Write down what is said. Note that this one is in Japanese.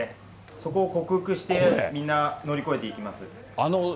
そこを克服して、みんな乗り越えていきます。